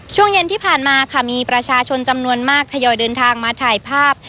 ช่วงเย็นที่ผ่านมาค่ะมีประชาชนจำนวนมากทยอยเดินทางมาถ่ายภาพ